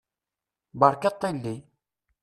Beṛka aṭṭili!